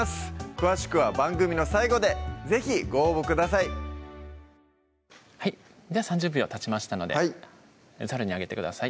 詳しくは番組の最後で是非ご応募くださいでは３０秒たちましたのでザルに上げてください